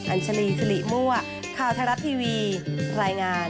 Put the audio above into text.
อัญชลีสิริมั่วข่าวไทยรัฐทีวีรายงาน